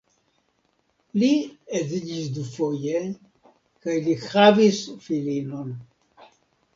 Li edziĝis dufoje kaj li havis filinon.